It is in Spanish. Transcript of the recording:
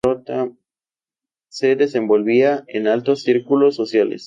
Se desenvolvía en altos círculos sociales.